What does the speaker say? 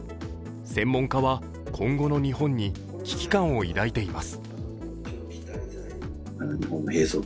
専門家は、今後の日本に危機感を抱いています。